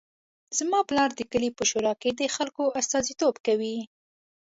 زما پلار د کلي په شورا کې د خلکو استازیتوب کوي